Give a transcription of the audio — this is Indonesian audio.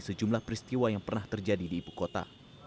sejumlah peristiwa yang pernah terjadi di ibu kota